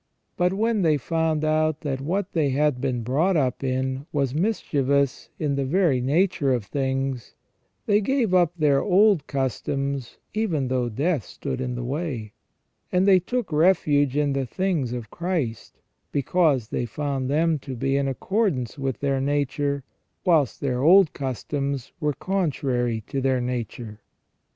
But when they found out that what they had been 330 THE RESTORATION OF MAN. brought up in was mischievous in the very nature of things, they gave up their old customs even though death stood in the way ; and they took refuge in the things of Christ, because they found them to be in accordance with their nature, whilst their old customs were contrary to their nature."